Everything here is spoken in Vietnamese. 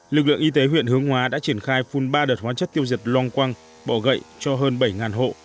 lực lượng y tế huyện hướng hóa đã triển khai phun ba đợt hóa chất tiêu diệt long quăng bỏ gậy cho hơn bảy hộ